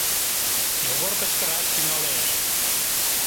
Йогор кычкыраш тӱҥалеш: